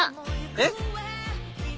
えっ⁉